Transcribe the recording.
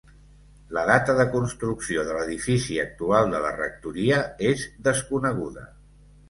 La data de construcció de l'edifici actual de la rectoria és desconeguda.